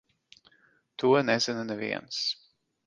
To nezina neviens.